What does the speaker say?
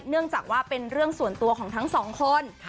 เนื่องจากว่าเป็นเรื่องส่วนตัวของทั้งสองคน